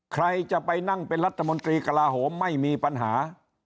ใครจะไปนั่งเป็นรัฐมนตรีกระลาโหมไม่มีปัญหา